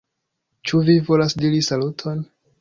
Ĉu vi volas diri saluton?